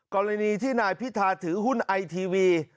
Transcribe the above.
กรณีที่นายพิธาถือหุ้นไอทีวี